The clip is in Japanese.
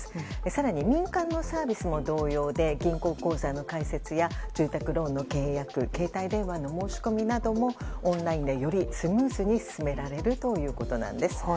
更に、民間のサービスも同様で銀行口座の開設や住宅ローンの契約携帯電話の申し込みなどもオンラインでよりスムーズに進められるということなんです。